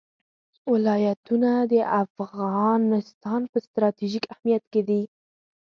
ولایتونه د افغانستان په ستراتیژیک اهمیت کې دي.